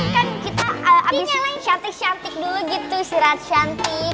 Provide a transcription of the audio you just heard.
kan kita abis syantik syantik dulu gitu sirat syantik